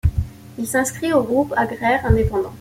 Il s'inscrit au Groupe agraire indépendant.